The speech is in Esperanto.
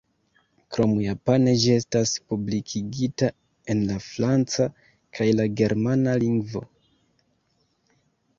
Krom japane ĝi estas publikigita en la franca kaj la germana lingvo.